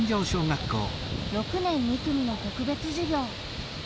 ６年２組の特別授業。